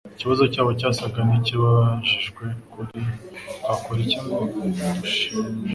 Ikibazo cyabo cyasaga n'ikibajijwe kui: Twakora iki ngo dushimtve n'ijuru ?